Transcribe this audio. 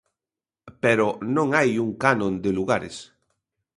Pero non hai un canon de lugares.